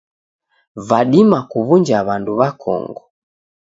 Vadima kuw'unja w'andu w'akongo.